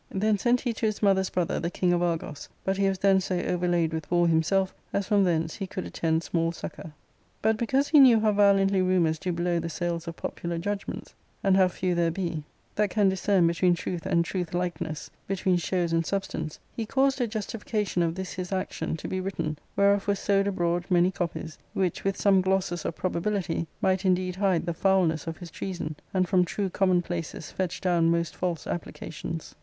Then sent he ^^ to his mother's brother the king of Argos, but he was then so over laid with war himself as from thence he could attend small succour. But, because he knew how violently rumours do blow the sails of popular judgments, and how few there be that C2m ARCADIA.Sook IIL 261. discern between truth and truth likeness, between shows and substance, he caused a justification of this his action to be written, whereof were sowed abroad many copies, which, with some glosses of probability, might indeed hide the foulness of his treason, and from true common places fetch down most false applications.